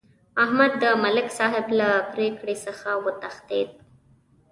احمد د ملک صاحب له پرېکړې څخه وتښتېدا.